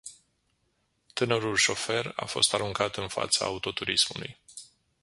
Tânărul șofer a fost aruncat în fața autoturismului.